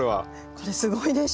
これすごいでしょう。